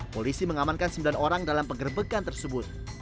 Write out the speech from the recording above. polisi mengamankan sembilan orang dalam penggerbekan tersebut